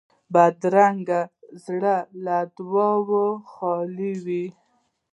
بدرنګه زړه له دعاوو خالي وي